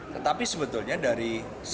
tetapi sebetulnya dari seribu tiga ratus delapan